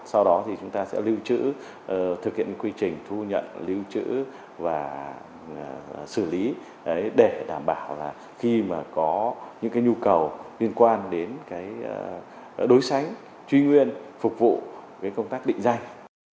sau đó thì chúng ta sẽ lưu trữ thực hiện quy trình thu nhận lưu trữ và xử lý để đảm bảo là khi mà có những cái nhu cầu liên quan đến cái đối sánh truy nguyên phục vụ với công tác định danh